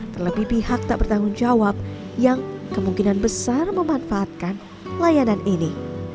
terlebih pihak tak bertanggung jawab yang kemungkinan besar memanfaatkan layanan ini